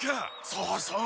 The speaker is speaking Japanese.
そうそう。